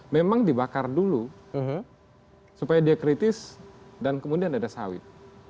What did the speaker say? memang dibakar dulu supaya dia kritis dan kemudian ada sawit